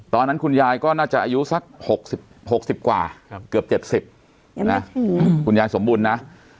ตอนนั้นคุณยายก็น่าจะอายุสักหกสิบหกสิบกว่าครับเกือบเจ็บสิบนะคุณยายสมบูรณ์นะ